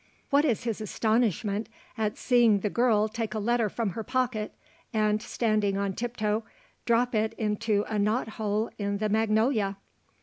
What is his astonishment, at seeing the girl take a letter from her pocket, and, standing on tiptoe, drop it into a knot hole in the magnolia!